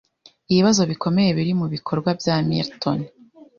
ibibazo bikomeye biri mu bikorwa bya Milton